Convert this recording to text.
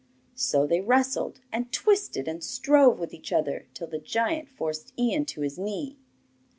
So they wrestled, and twisted and strove with each other till the giant forced Ian to his knee.